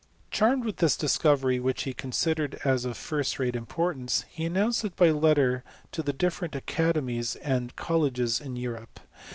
Charmed with this discovery, whrch he con sidered as of first rate importance, he announced it by letter to the different academies and colleges in Eu rope.